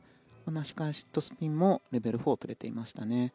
足換えのシットスピンもレベル４を取れていましたね。